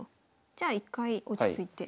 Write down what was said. じゃあ一回落ち着いて。